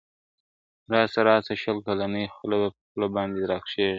راسه راسه شل کلنی خوله پر خوله باندی را کښېږده !.